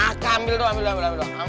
wake ambil doang ambil doang ambil doang